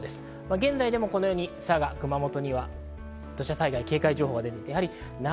現在でも佐賀、熊本には土砂災害警戒情報が出ています。